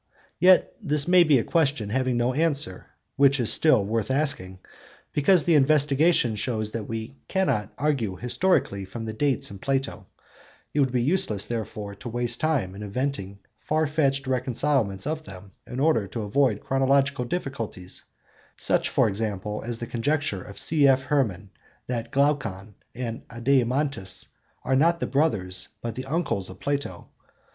Yet this may be a question having no answer 'which is still worth asking,' because the investigation shows that we cannot argue historically from the dates in Plato; it would be useless therefore to waste time in inventing far fetched reconcilements of them in order to avoid chronological difficulties, such, for example, as the conjecture of C.F. Hermann, that Glaucon and Adeimantus are not the brothers but the uncles of Plato (cp. Apol.